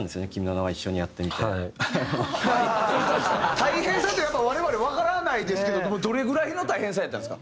大変さってやっぱ我々わからないですけどでもどれぐらいの大変さやったんですか？